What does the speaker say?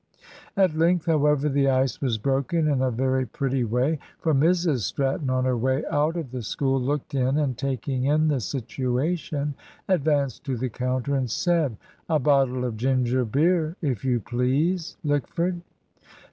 At length, however, the ice was broken in a very pretty way. For Mrs Stratton on her way out of the school looked in, and taking in the situation, advanced to the counter and said "A bottle of ginger beer, if you please, Lickford."